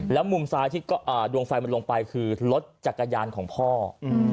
แล้วมุมซ้ายที่ดวงไฟมันลงไปคือรถจักรยานของพ่อ